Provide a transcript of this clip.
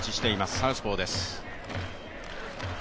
サウスポーです。